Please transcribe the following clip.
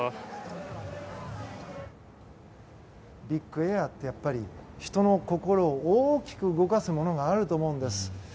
ビッグエアってやっぱり人の心を大きく動かすものがあると思うんです。